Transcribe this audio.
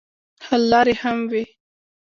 حل لارې هم وي.